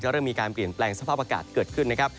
เริ่มมีการเปลี่ยนแปลงสภาพอากาศเกิดขึ้นนะครับ